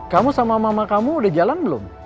kamu sama mama kamu udah jalan belum